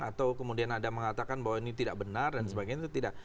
atau kemudian ada mengatakan bahwa ini tidak benar dan sebagainya itu tidak